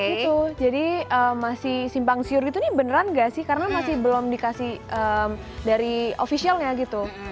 itu jadi masih simpang siur gitu nih beneran gak sih karena masih belum dikasih dari officialnya gitu